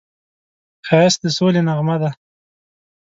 ښایست د سولې نغمه ده